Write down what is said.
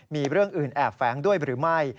มีเรื่องอื่นแอบแฝงด้วยหรือไม่